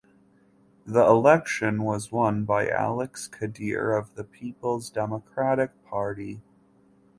The election was won by Alex Kadir of the Peoples Democratic Party.